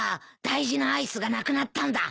大事なアイスがなくなったんだ。